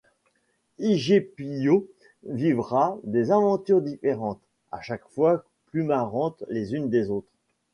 Higepiyo vivra des aventures différentes, à chaque fois plus marrantes les unes des autres.